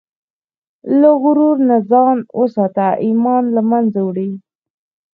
له غرور نه ځان وساته، ایمان له منځه وړي.